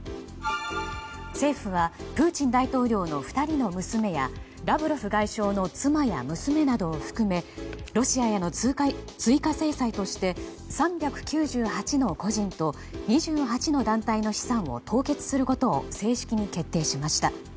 政府はプーチン大統領の２人の娘やラブロフ外相の妻や娘などを含めロシアへの追加制裁として３９８の個人と２８の団体の資産を凍結することを正式に決定しました。